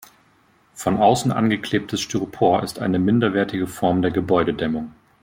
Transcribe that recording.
Von außen angeklebtes Styropor ist eine minderwertige Form der Gebäudedämmung.